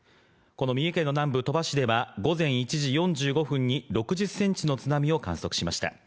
この三重県の南部・鳥羽市では、午前１時４５分に６０センチの津波を観測しました。